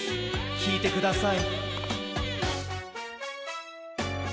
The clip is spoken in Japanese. きいてください。